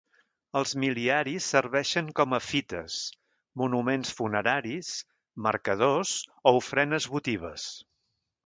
Els mil·liaris serveixen com a fites, monuments funeraris, marcadors o ofrenes votives.